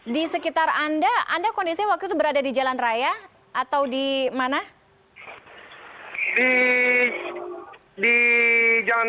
di sekitar anda anda kondisinya waktu itu berada di jalan raya atau di mana di jalan